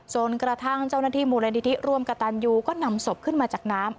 ส่วนกระทั่งเจ้าหน้าที่มูลนิธิร่วมกับตันยูก็นำศพขึ้นมาจากน้ำ